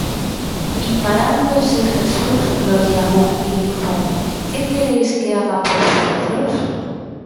Y parándose Jesús, los llamó, y dijo: ¿Qué queréis que haga por vosotros?